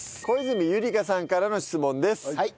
小泉由梨香さんからの質問です。